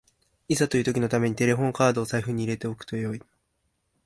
いざという時のためにテレホンカードを財布に入れておくといい